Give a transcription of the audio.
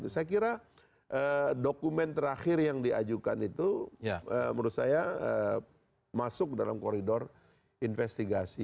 saya kira dokumen terakhir yang diajukan itu menurut saya masuk dalam koridor investigasi